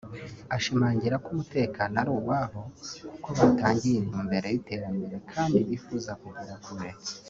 ashimangira ko umutekano ari uwabo kuko batangiye intumbero y’iterambere kandi bifuza kugera kure